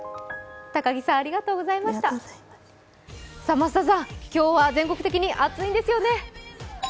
増田さん、今日は全国的に暑いんですよね？